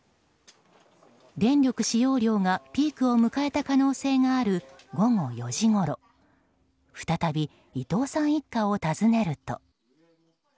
電力使用量がピークを迎えた可能性がある午後４時ごろ再び、伊藤さん一家を訪ねると。